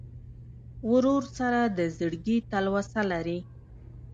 ورور سره د زړګي تلوسه لرې.